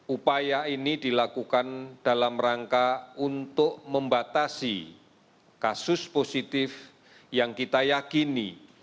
upaya ini dilakukan dalam rangka untuk membatasi kasus positif yang kita yakini